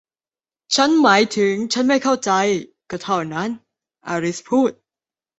ฉันหมายถึงฉันไม่เข้าใจ ก็เท่านั้น อลิซพูด